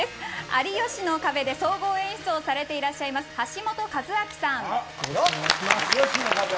有吉の壁で総合演出をされていらっしゃる橋本和明さん。